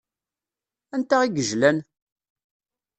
Anta i yejlan?